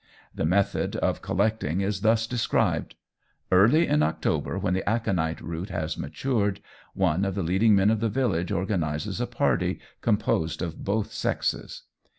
The method of collecting is thus described. "Early in October, when the aconite root has matured, one of the leading men of the village organises a party composed of both sexes.